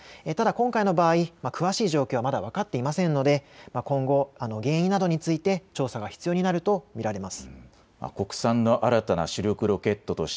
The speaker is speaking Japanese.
ただ今回の場合、詳しい状況はまだ分かっていませんので今後、原因などについて調査が必要になると見られます。